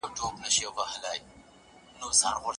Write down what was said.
څوک چې ملګري خرڅوي ځان خلاصوينه